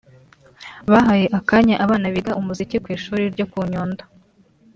Bahaye akanya abana biga umuziki ku ishuri ryo ku Nyundo